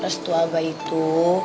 restu abah itu